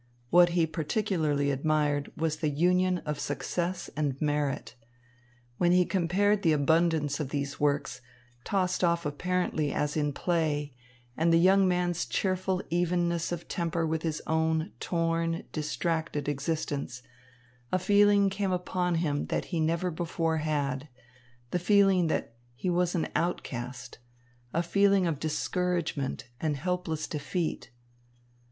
What he particularly admired was the union of success and merit. When he compared the abundance of these works, tossed off apparently as in play, and the young man's cheerful evenness of temper with his own torn, distracted existence, a feeling came upon him that he had never before had, the feeling that he was an outcast, a feeling of discouragement and helpless defeat.